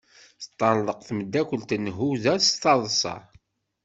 Teṭṭerḍeq temdakelt n Huda d taḍsa.